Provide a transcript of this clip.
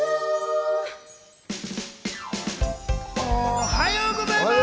おはようございます。